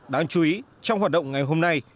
đáng chú ý trong hoạt động ngày hôm nay